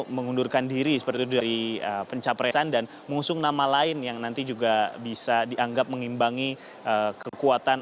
mengundurkan diri seperti itu dari pencapresan dan mengusung nama lain yang nanti juga bisa dianggap mengimbangi kekuatan